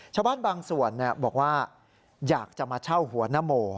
ชาวบ้านบางส่วนบอกว่าอยากจะมาเช่าหัวนโม